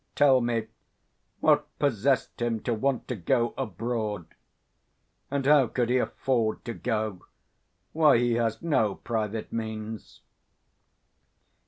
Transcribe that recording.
Tell me, what possessed him to want to go abroad? And how could he afford to go? Why, he has no private means!"